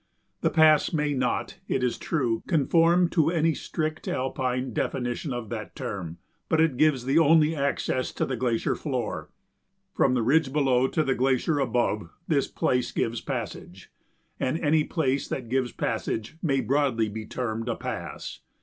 The "pass" may not, it is true, conform to any strict Alpine definition of that term, but it gives the only access to the glacier floor. From the ridge below to the glacier above this place gives passage; and any place that gives passage may broadly be termed a pass.